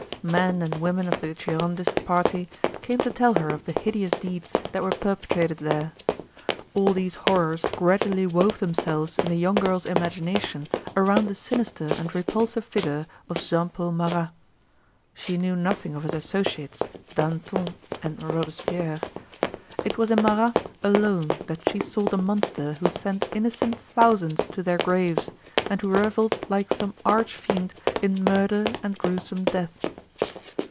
Men and women of the Girondist party came to tell her of the hideous deeds that were perpetrated there. All these horrors gradually wove themselves in the young girl's imagination around the sinister and repulsive figure of Jean Paul Marat. She knew nothing of his associates, Danton and Robespierre. It was in Marat alone that she saw the monster who sent innocent thousands to their graves, and who reveled like some arch fiend in murder and gruesome death.